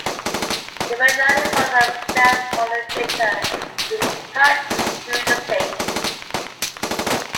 The red line in bottom stands for the equator, which cuts through the state.